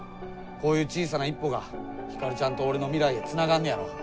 こういう小さな一歩がヒカルちゃんと俺の未来へつながんねやろ！